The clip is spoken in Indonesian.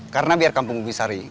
karena biar kampung ubi sari